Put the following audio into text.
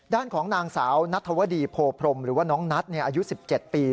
ด้านของนางสาวนัทธวดีโพพรมหรือว่าน้องนัทอายุ๑๗ปี